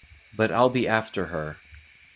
But I’ll be after her.